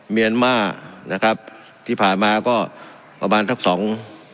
เมียนมานะครับที่ผ่านมาก็ประมาณทักสอง